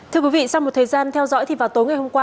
thưa quý vị sau một thời gian theo dõi thì vào tối ngày hôm qua